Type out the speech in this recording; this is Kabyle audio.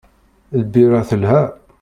Lbira telha.